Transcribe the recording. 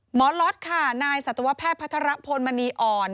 ล็อตค่ะนายสัตวแพทย์พัทรพลมณีอ่อน